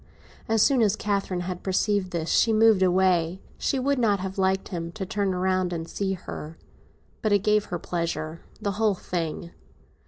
As soon as Catherine had perceived this she moved away; she would not have liked him to turn round and see her. But it gave her pleasure—the whole thing.